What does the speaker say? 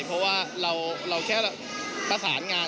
เพราะว่าเราแค่ประสานงาน